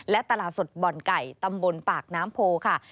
และตลาดสดบ่อนไก่ตำบลปากน้ำโพค่ะ